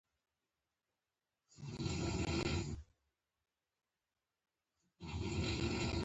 زه او ملنګ د سړک پر غاړه ولاړ وو.